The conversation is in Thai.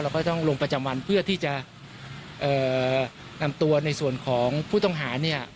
ก็ต้องลงประจำวันเพื่อที่จะนำตัวในส่วนของผู้ต้องหาเนี่ย